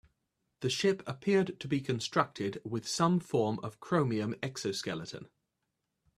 The ship appeared to be constructed with some form of chromium exoskeleton.